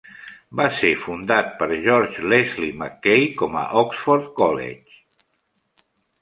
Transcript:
Va ser fundat per George Leslie Mackay com a Oxford College.